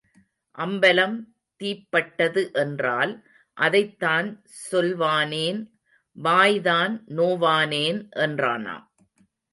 அம்பலம் தீப்பட்டது என்றால், அதைத்தான் சொல்வானேன், வாய்தான் நோவானேன் என்றானாம்.